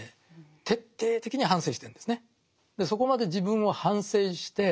徹底的に反省してるんですね。